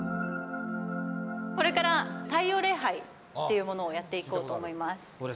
これから、太陽礼拝っていうものをやっていこうと思います。